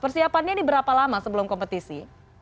persiapannya ini berapa lama sebelum kompetisi